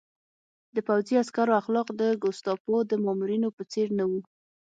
د پوځي عسکرو اخلاق د ګوستاپو د مامورینو په څېر نه وو